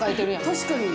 確かに。